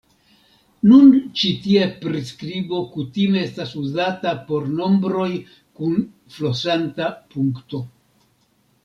Nun ĉi tia priskribo kutime estas uzata por nombroj kun flosanta punkto.